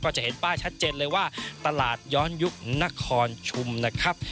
จะเห็นป้ายชัดเจนเลยว่าตลาดย้อนยุคนครชุมนะครับ